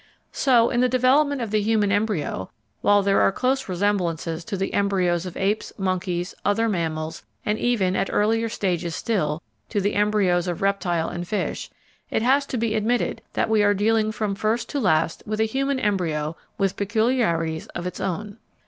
So in the development of the human embryo, while there are close resemblances to the embryos of apes, monkeys, other mammals, and even, at earlier stages still, to the embryos of reptile and fish, it has to be admitted that we are dealing from first to last with a human embryo with peculiarities of its own.